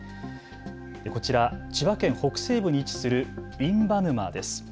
こちら千葉県北西部に位置する印旛沼です。